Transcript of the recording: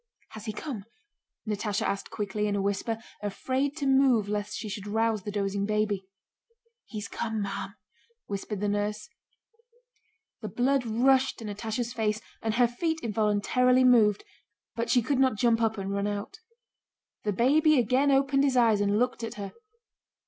"Has he come?" Natásha asked quickly in a whisper, afraid to move lest she should rouse the dozing baby. "He's come, ma'am," whispered the nurse. The blood rushed to Natásha's face and her feet involuntarily moved, but she could not jump up and run out. The baby again opened his eyes and looked at her.